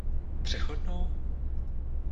Přechodnou?